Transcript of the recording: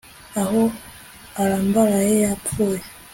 aho arambaraye yapfuye